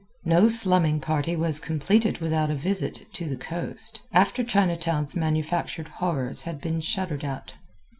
No slumming party was completed without a visit to the "Coast," after Chinatown's manufactured horrors had been shuddered at.